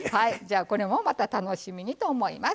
これもまた、楽しみにと思います。